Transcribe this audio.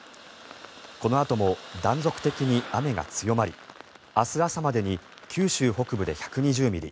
このあとも断続的に雨が強まり明日朝までに九州北部で１２０ミリ